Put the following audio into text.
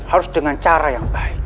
harus dengan cara yang baik